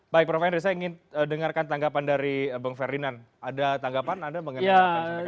baik prof henry saya ingin dengarkan tanggapan dari bang ferdinand ada tanggapan anda mengenai